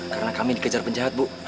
karena kami dikejar penjahat bu